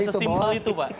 tidak sesimpel itu pak